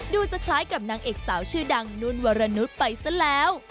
จะคล้ายกับนางเอกสาวชื่อดังนุ่นวรนุษย์ไปซะแล้ว